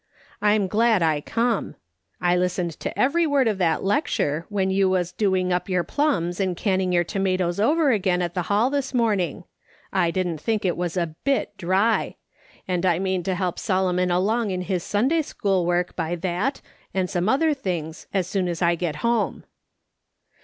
I'm glad I come. I listened to every word of that lecture, when you was donig up your plums, and canning your tomatoes over again at the Hall this morning. I didn't think it was a bit dry. And I mean to help Solomon along in his Sunday school work by that, and some other things as soon as I get home.'